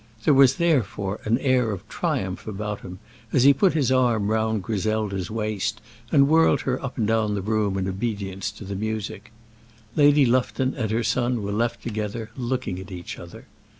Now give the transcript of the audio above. There was, therefore, an air of triumph about him as he put his arm round Griselda's waist and whirled her up and down the room in obedience to the music. Lady Lufton and her son were left together looking at each other.